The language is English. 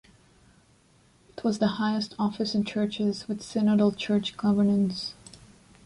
It was the highest office in churches with synodal church governance.